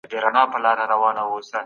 سایبر امنیتي انجنیران د ستونزو حل لټوي.